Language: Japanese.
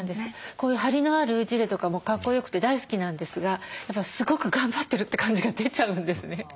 こういうハリのあるジレとかもかっこよくて大好きなんですがすごく頑張ってるって感じが出ちゃうんですね。